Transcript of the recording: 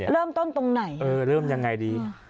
เริ่มต้นตรงไหน